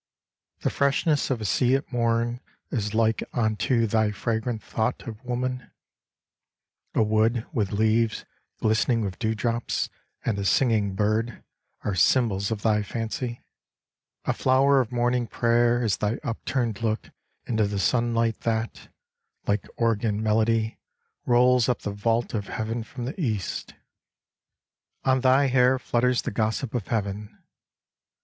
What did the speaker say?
The freshness of a sea at morn Is like unto thy fragrant thought of woman ; A wood with leaves glistening with dewdrops And a singing bird are symbols of thy fancy ; A flower of morning prayer is thy upturned look Into the sunlight that, like organ melody, Rolls up the vault of heaven from the east ; On thy hair flutters the gossip of heaven.